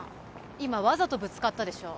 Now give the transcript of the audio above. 今わざとぶつかったでしょ？